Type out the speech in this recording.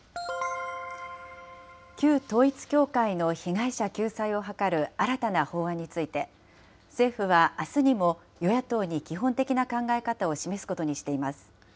旧統一教会の被害者救済を図る新たな法案について、政府はあすにも、与野党に基本的な考え方を示すことにしています。